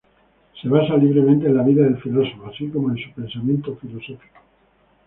Se basa libremente en la vida del filósofo, así como en su pensamiento filosófico.